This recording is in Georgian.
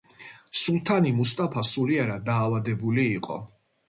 სულთანი მუსტაფა სულიერად დაავადებული იყო.